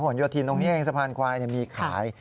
พวกมันยอดทินตรงนี้แห่งสะพานควายมีขาย